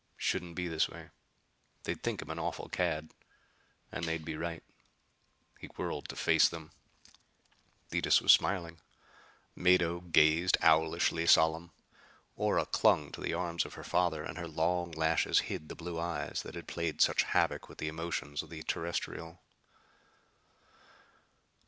Shouldn't be this way. They'd think him an awful cad. And they'd be right! He whirled to face them. Detis was smiling. Mado gazed owlishly solemn. Ora clung to the arm of her father, and her long lashes hid the blue eyes that had played such havoc with the emotions of the Terrestrial.